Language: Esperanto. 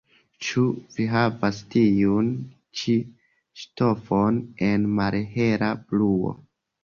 Ĉu vi havas tiun ĉi ŝtofon en malhela bluo?